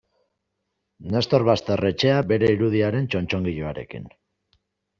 Nestor Basterretxea bere irudiaren txotxongiloarekin.